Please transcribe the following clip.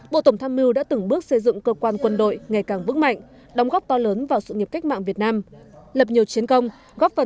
bộ tổng tham mưu đã từng bước xây dựng cơ quan quân đội ngày càng vững mạnh đóng góp to lớn vào sự nghiệp cách mạng việt nam lập nhiều chiến công